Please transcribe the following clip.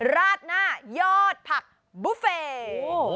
ราดหน้ายอดผักบุฟเฟ่